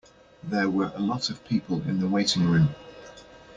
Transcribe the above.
There were a lot of people in the waiting room.